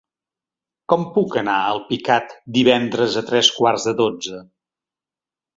Com puc anar a Alpicat divendres a tres quarts de dotze?